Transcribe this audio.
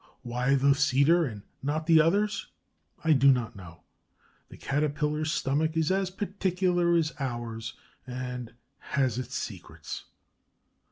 Why the cedar and not the others? I do not know. The Caterpillar's stomach is as particular as ours, and has its secrets.